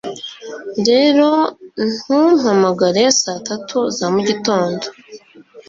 rero ntumpamagare saa tatu za mugitondo